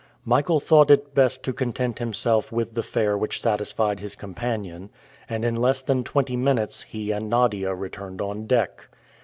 Michael thought it best to content himself with the fare which satisfied his companion; and in less than twenty minutes he and Nadia returned on deck.